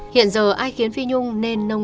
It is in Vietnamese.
hiện giờ ai khiến phi nhung nên nông